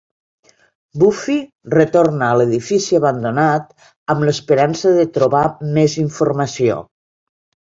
Buffy retorna a l'edifici abandonat amb l'esperança de trobar més informació.